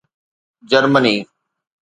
Germany